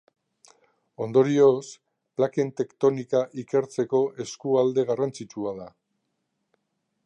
Ondorioz, plaken tektonika ikertzeko eskualde garrantzitsua da.